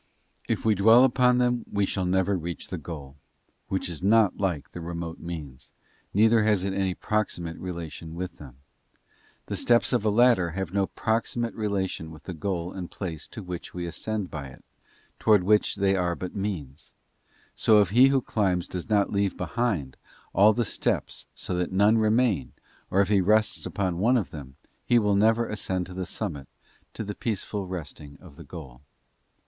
If we dwell upon them we shall never reach the goal, which is not like the remote means, neither has it any proximate relation with them. Thé steps of a ladder have no proximate relation with the goal and place to which we ascend by it, PURE CONTEMPLATION THE END OF PRAYER. 99 towards which they are but means; so if he who climbs does not leave behind all the steps so that none remain, or if he rests upon one of them, he will never ascend to the summit, to the peaceful resting of the goal.